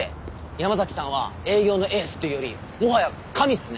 山崎さんは営業のエースっていうよりもはや神っすね。